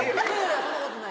そんなことない。